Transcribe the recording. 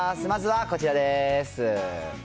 まずはこちらです。